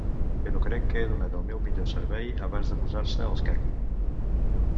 Però crec que he donat el meu millor servei abans de posar-se els caqui.